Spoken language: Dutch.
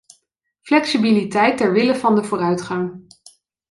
Flexibiliteit ter wille van de vooruitgang.